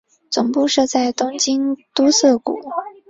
总部设在东京都涩谷。